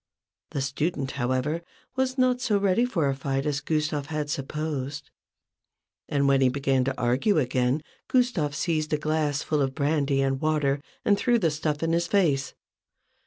The student, however, was not so ready for a fight as Gustave had supposed ; and when he began to argue again, Gustave seized a glass full of brandy and water and threw the stuff in his face.